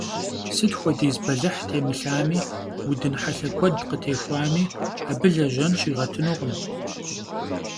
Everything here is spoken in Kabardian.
Sıt xuediz belıh têmılhami, vudın helhe kued khıtêxuami, abı lejen şiğetınukhım.